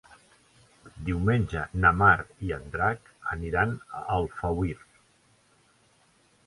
Diumenge na Mar i en Drac iran a Alfauir.